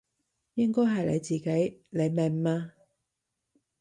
應該係你自己，你明嘛？